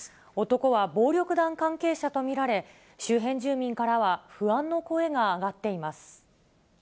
男は暴力団関係者と見られ、周辺住民からは不安の声が上がっています。